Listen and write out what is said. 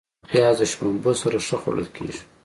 پیاز د شړومبو سره ښه خوړل کېږي